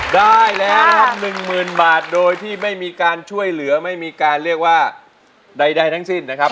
ได้แล้วนะครับหนึ่งหมื่นบาทโดยที่ไม่มีการช่วยเหลือไม่มีการเรียกว่าใดทั้งสิ้นนะครับ